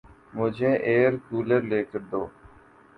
مجھے air cooler لے کر دو